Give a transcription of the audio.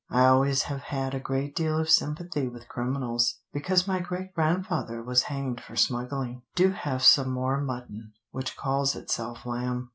I always have had a great deal of sympathy with criminals, because my great grandfather was hanged for smuggling. Do have some more mutton, which calls itself lamb.